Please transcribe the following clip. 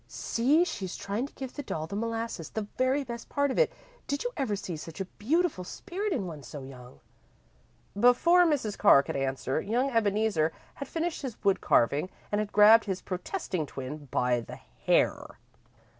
See, she is trying to give the doll the molasses the very best part of it. Did you ever see such a beautiful spirit in one so young?" Before Mrs. Carr could answer, young Ebeneezer had finished his wood carving and had grabbed his protesting twin by the hair.